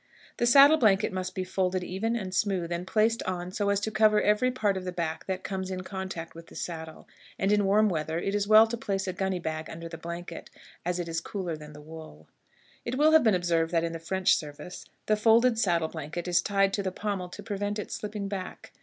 The saddle blanket must be folded even and smooth, and placed on so as to cover every part of the back that comes in contact with the saddle, and in warm weather it is well to place a gunny bag under the blanket, as it is cooler than the wool. It will have been observed that, in the French service, the folded saddle blanket is tied to the pommel to prevent it slipping back.